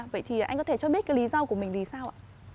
vậy thì anh có thể cho biết lý do của mình thì sao ạ